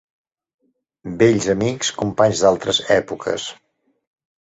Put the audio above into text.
Vells amics, companys d'altres èpoques...